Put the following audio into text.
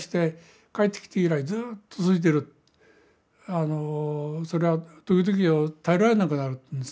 あの一つは「それは時々耐えられなくなる」って言うんですね。